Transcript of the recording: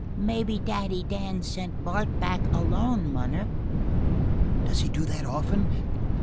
"Maybe Daddy Dan sent Bart back alone, munner." "Does he do that often?